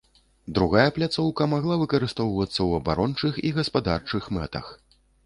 Другая пляцоўка магла выкарыстоўвацца ў абарончых і гаспадарчых мэтах.